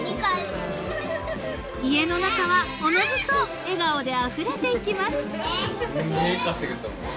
［家の中はおのずと笑顔であふれていきます］